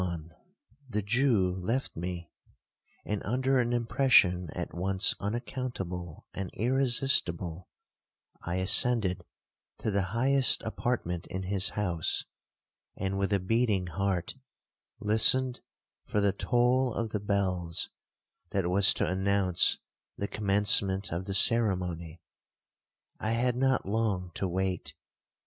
'The evening came on—the Jew left me; and, under an impression at once unaccountable and irresistible, I ascended to the highest apartment in his house, and, with a beating heart, listened for the toll of the bells that was to announce the commencement of the ceremony. I had not long to wait.